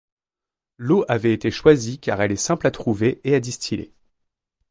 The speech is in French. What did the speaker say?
L’eau avait été choisie car elle est simple à trouver et à distiller.